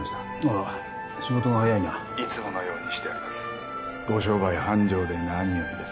あ仕事が早いないつものようにしてありますご商売繁盛で何よりです